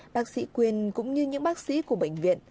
bác sĩ quyền cũng như những bác sĩ của bệnh viện